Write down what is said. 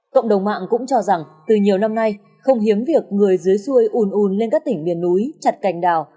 cộng đồng mạng cũng cho rằng từ nhiều năm nay không hiếm việc người dưới xuôi ùn ùn lên các tỉnh miền núi chặt cành đào